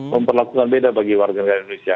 memperlakukan beda bagi warga negara indonesia